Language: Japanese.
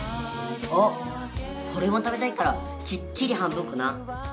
あっおれも食べたいからきっちり半分こな。